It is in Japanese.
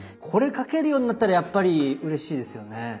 これ描けるようになったらやっぱりうれしいですよね。